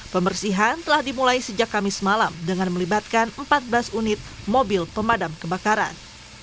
pembersihan telah dimulai sejak kamis malam dengan melibatkan empat belas unit mobil pemadam kebakaran